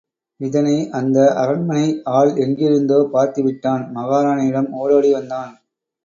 இதனை, அந்த அரண்மனை ஆள் எங்கிருந்தோ பார்த்துவிட்டான் மகாராணியிடம் ஒடோடி வந்தான்.